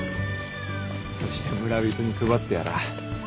そして村人に配ってやらぁ。